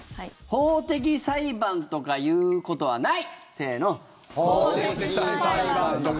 法的裁判とか言うことはない。